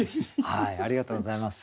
ありがとうございます。